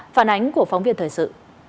phản ánh của phóng viên thời sự